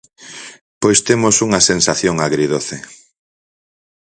Pois temos unha sensación agridoce.